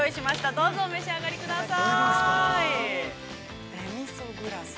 どうぞ召し上がりください。